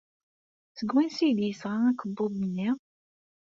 Seg wansi ay d-yesɣa akebbuḍ-nni?